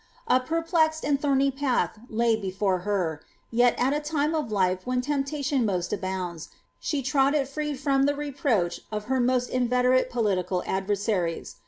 A perplexed and thorny path laid before her, t, at a time of life when temptation most abounds, she trod it free «n the reproach of her most inveterate political adversaries.